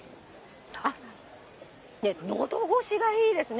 あっ、のど越しがいいですね。